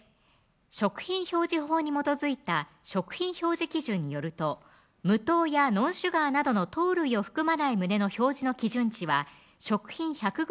食品表示法に基づいた食品表示基準によると「無糖」や「ノンシュガー」などの糖類を含まない旨の表示の基準値は食品１００ｇ